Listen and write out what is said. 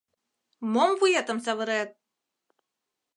Мом вуетым савырет?